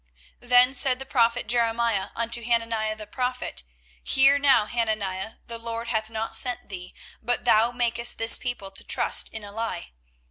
24:028:015 Then said the prophet Jeremiah unto Hananiah the prophet, Hear now, Hananiah; The LORD hath not sent thee; but thou makest this people to trust in a lie.